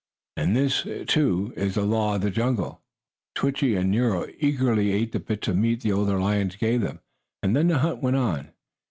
And this, too, is the law of the jungle. Switchie and Nero eagerly ate the bits of meat the older lions gave them, and then the hunt went on.